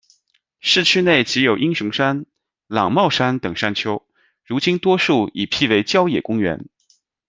市区内即有英雄山、郎茂山等山丘，如今多数已辟为郊野公园。